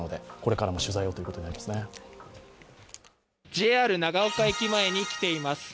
ＪＲ長岡駅前に来ています。